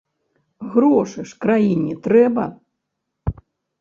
Грошы ж краіне трэба!